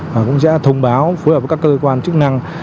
và cũng sẽ thông báo với các cơ quan chức năng